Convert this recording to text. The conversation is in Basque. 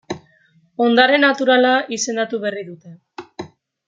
Ondare naturala izendatu berri dute.